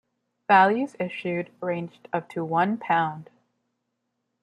Values issued ranged up to one pound.